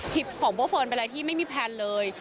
ของเบอร์เฟิร์นเป็นอะไรที่ไม่มีแพลนเลย